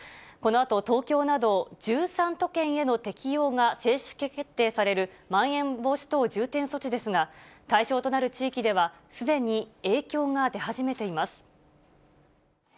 このあと東京など１３都県への適用が正式決定されるまん延防止等重点措置ですが、対象となる地域では、すでに影響が出始めています。